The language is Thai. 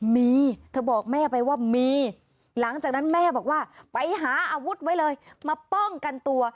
มีเธอบอกแม่ไปว่ามีหลังจากนั้นแม่บอกว่าไปหาอาวุธไว้เลยมาป้องกันตัว